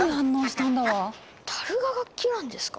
たるが楽器なんですか？